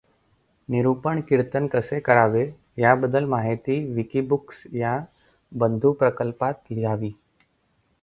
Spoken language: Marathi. निरूपण कीर्तन कसे करावे याबद्दल माहिती विकिबुक्स या बंधुप्रकल्पात लिहावी.